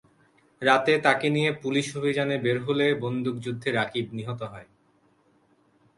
রাতে তাঁকে নিয়ে পুলিশ অভিযানে বের হলে বন্দুকযুদ্ধে রাকিব নিহত হয়।